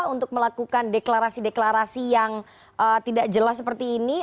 untuk melakukan deklarasi deklarasi yang tidak jelas seperti ini